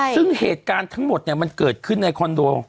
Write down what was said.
ซึ่งเหตุการณ์ทั้งหมดมันเกิดขึ้นในคอนโด